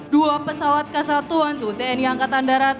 dua pesawat kasa dua ratus dua belas tni angkatan darat